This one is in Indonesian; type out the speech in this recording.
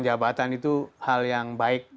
jabatan itu hal yang baik